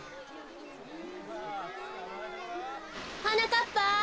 はなかっぱ。